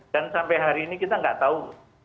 dan sampai hari ini kita tidak tahu